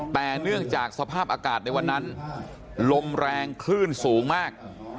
แต่เนื่องจากสภาพอากาศในวันนั้นลมแรงคลื่นสูงมาก